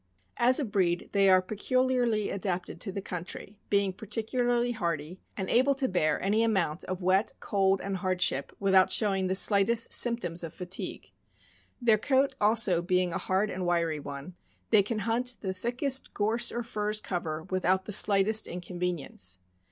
As a breed, they are peculiarly adapted to the country, being particularly hardy, and able to bear any amount of wet, cold, and hardship without show ing the slightest symptoms of fatigue. Their coat also being a hard and wiry one, they can hunt the thickest gorse or furze cover without the slightest inconvenience.